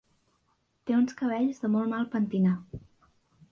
Té uns cabells de molt mal pentinar.